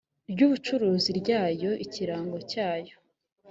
ry ubucuruzi rya yo ikirango cyayo